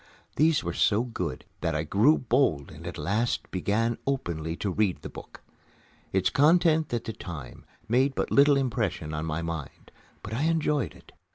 These were so good that I grew bold and at last began openly to read the book. Its contents at the time made but little impression on my mind, but I enjoyed it.